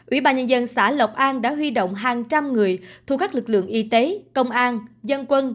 ủy ban nhân dân xã lộc an đã huy động hàng trăm người thu các lực lượng y tế công an dân quân